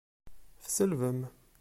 Tselbem.